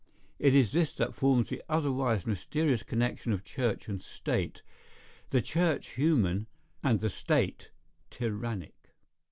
It is this that forms the otherwise mysterious connection of church and state; the church human, and the state tyrannic.